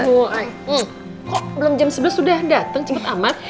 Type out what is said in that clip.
kok belum jam sebelas sudah dateng cepet amat